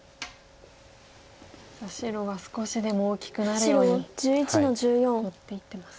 さあ白は少しでも大きくなるように囲っていってます。